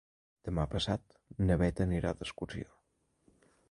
Demà passat na Beth anirà d'excursió.